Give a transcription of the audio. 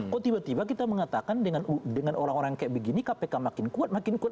kok tiba tiba kita mengatakan dengan orang orang kayak begini kpk makin kuat makin kuat